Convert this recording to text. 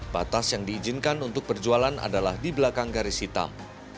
batas yang diizinkan untuk berjualan adalah di belakang garis hitam